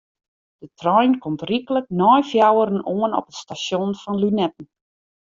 De trein komt ryklik nei fjouweren oan op it stasjon fan Lunetten.